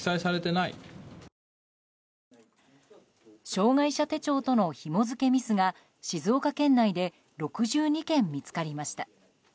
障害者手帳とのひも付けミスが静岡県内で６２件見つかりました。